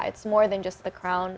itu lebih dari hanya perut